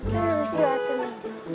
serius ya atene